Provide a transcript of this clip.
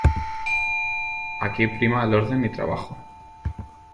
Aquí prima el orden y trabajo.